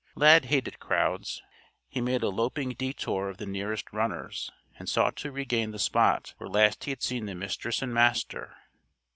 Lad hated crowds. He made a loping detour of the nearest runners and sought to regain the spot where last he had seen the Mistress and Master.